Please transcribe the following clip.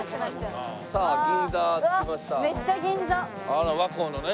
あら和光のね。